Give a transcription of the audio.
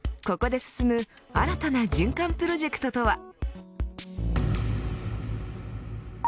ここで進む新たな循環プロジェクトとは。